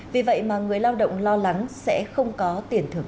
vì vậy mà người lao động lo lắng sẽ không có tiền thưởng